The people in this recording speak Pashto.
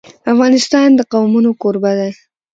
افغانستان د قومونه کوربه دی.